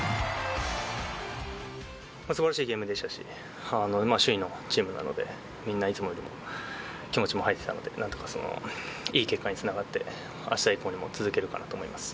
すばらしいゲームでしたし、首位のチームなので、みんな、いつもよりも気持ちも入ってたので、なんとかいい結果につながって、あした以降にも続けれるかなと思います。